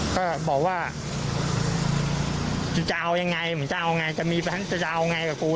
ก็บอกว่าจะเอายังไงมึงจะเอาไงจะมีแฟนจะเอาไงกับกู